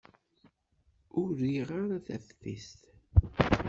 Ur riɣ ara taftist.